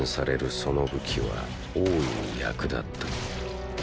その武器は大いに役立った。